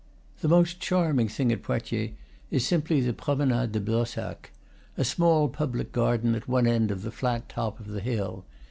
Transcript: The most charming thing at Poitiers is simply the Promenade de Blossac, a small public garden at one end of the flat top of the hill.